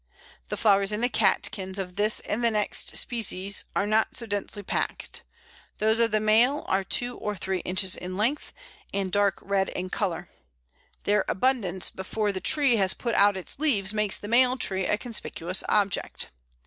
The flowers in the catkins of this and the next species are not so densely packed. Those of the male are two or three inches in length, and dark red in colour; their abundance before the tree has put out its leaves makes the male tree a conspicuous object.